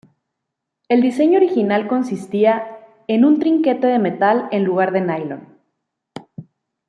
El diseño original consistía en un trinquete de metal en lugar de nylon.